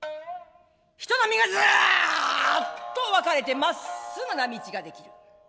人波がざーっと分かれてまっすぐな路ができる。